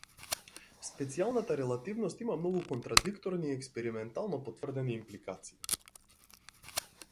Специјалната релативност има многу контрадикторни и експериментално потврдени импликации.